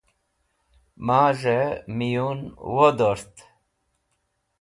Mazhey Miyun Wodort